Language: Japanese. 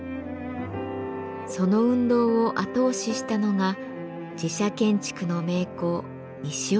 その運動を後押ししたのが寺社建築の名工西岡常一さん。